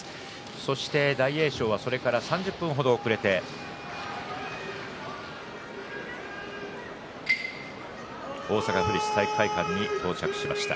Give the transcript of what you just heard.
そして大栄翔はそれから３０分程遅れて大阪府立体育会館に到着しました。